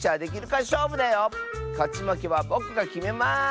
かちまけはぼくがきめます。